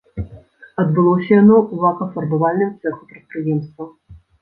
Адбылося яно ў лакафарбавальным цэху прадпрыемства.